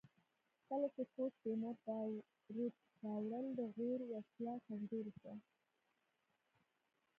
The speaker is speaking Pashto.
کله چې ګوډ تیمور باروت راوړل د غور وسله کمزورې شوه